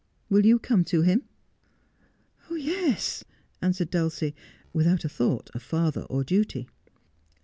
Will you come to him i '' Yes,' answered Dulcie, without a thought of father or duty.